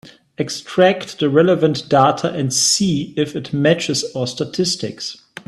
Extract the relevant data and see if it matches our statistics.